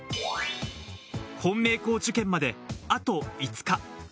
本命校受験まであと５日。